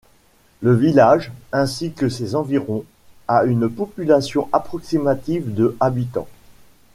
Le village, ainsi que ses environs, a une population approximative de habitants.